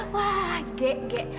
wah gek gek